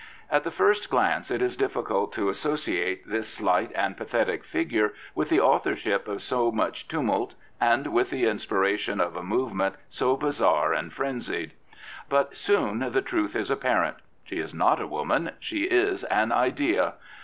At the first glance it is difficult to associate this slight and pathetic figure with the authorship of so much tumult and with the inspiration of a movement so bizarre and frenzied. But soon the truth is apparent. She is not a woman ; she is an idea.